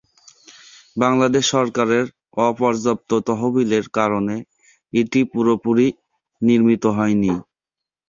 বাংলাদেশ সরকারের অপর্যাপ্ত তহবিলের কারণে এটি পুরোপুরি নির্মিত হয়নি।